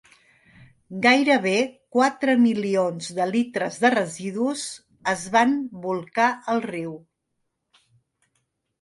Gairebé quatre milions de litres de residus es van bolcar al riu.